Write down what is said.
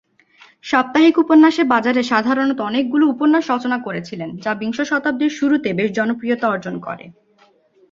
সাপ্তাহিক উপন্যাসে বাজারে সাধারণত অনেকগুলো উপন্যাস রচনা করেছিলেন যা বিংশ শতাব্দীর শুরুতে বেশ জনপ্রিয়তা অর্জন করে।